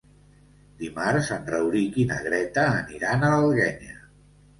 Dimarts en Rauric i na Greta aniran a l'Alguenya.